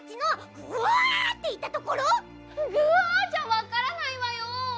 グワッじゃわからないわよ。